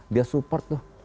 dia support tuh